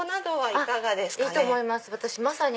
いいと思います。